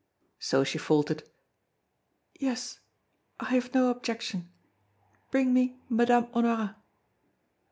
So she faltered: "Yes, I have no objection. Bring me Madame Honorat."